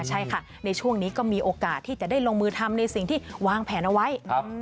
ใช่ค่ะในช่วงนี้ก็มีโอกาสที่จะได้ลงมือทำในสิ่งที่วางแผนเอาไว้